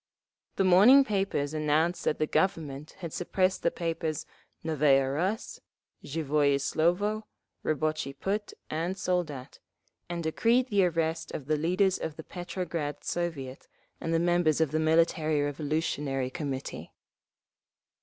The morning papers announced that the Government had suppressed the papers Novaya Rus, Zhivoye Slovo, Rabotchi Put and Soldat, and decreed the arrest of the leaders of the Petrograd Soviet and the members of the Military Revolutionary Committee….